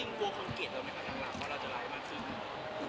จริงกลัวความเกลียดเอาไหมคะดังหลังความเราจะร้ายมากขึ้น